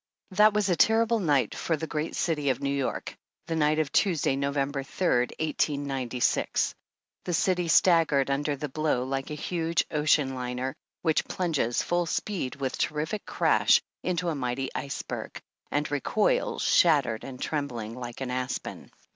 That was a terrible night for the great City of New York — the night of Tuesday, Noverjber 3rd, 1896. The city staggered under the blow like a huge ocean liner which plunges, full speed, with terrific crash into a mighty iceberg, and recoils shattered and trembling like an aspen.